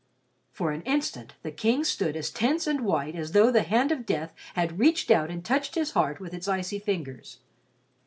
For an instant, the King stood as tense and white as though the hand of death had reached out and touched his heart with its icy fingers.